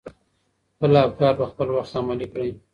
خپل افکار په خپل وخت عملي کړئ.